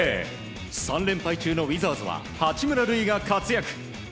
３連敗中のウィザーズは八村塁が活躍。